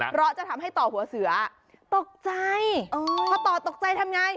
เพราะจะทำให้ต่อหัวเสือตกใจพอต่อตกใจทำไง